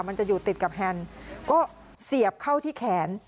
มันจะอยู่ติดกับแฮนด์ก็เสียบเข้าที่แขน